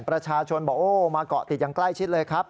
ประชาชนบอกโอ้มาเกาะติดอย่างใกล้ชิดเลยครับ